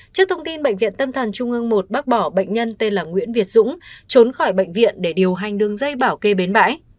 trước thông tin bệnh viện tâm thần trung ương một bác bỏ bệnh nhân tên là nguyễn việt dũng trốn khỏi bệnh viện để điều hành đường dây bảo kê bến bãi